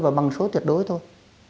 và bằng số tuyệt đối thôi